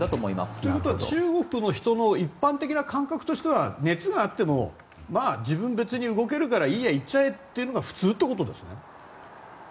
ということは中国の人の一般的な感覚としては熱があってもまあ自分別に動けるからいいや、行っちゃえっていうのが普通ってことですね。